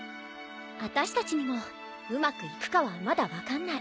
あたしたちにもうまくいくかはまだ分かんない。